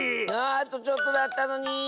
ああとちょっとだったのに。